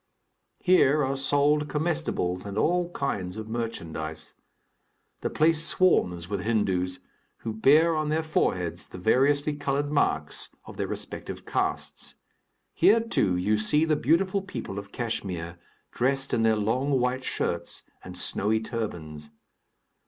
Here are sold comestibles and all kinds of merchandise. The place swarms with Hindus, who bear on their foreheads the variously colored marks of their respective castes. Here, too, you see the beautiful people of Kachmyr, dressed in their long white shirts and snowy turbans.